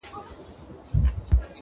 په دوزخي غېږ کي به یوار جانان و نه نیسم-